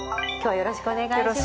よろしくお願いします。